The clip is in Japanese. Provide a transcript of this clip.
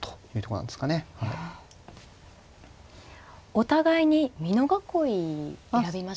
お互いに美濃囲い選びましたね。